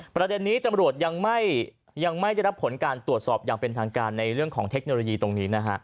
ประเด็นนี้ตำรวจยังไม่ได้รับผลการตรวจสอบอย่างเป็นทางการในเรื่องของเทคโนโลยีตรงนี้นะฮะ